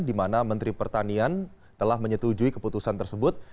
di mana menteri pertanian telah menyetujui keputusan tersebut